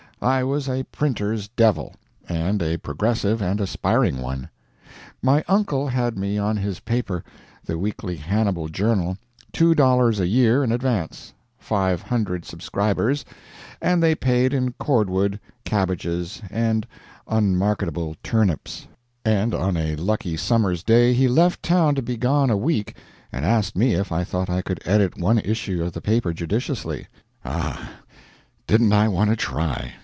I was a printer's "devil," and a progressive and aspiring one. My uncle had me on his paper (the Weekly Hannibal Journal, two dollars a year in advance five hundred subscribers, and they paid in cordwood, cabbages, and unmarketable turnips), and on a lucky summer's day he left town to be gone a week, and asked me if I thought I could edit one issue of the paper judiciously. Ah! didn't I want to try!